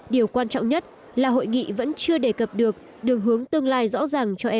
điều quan trọng nhất là hội nghị vẫn chưa đề cập được đường hướng tương lai rõ ràng cho eu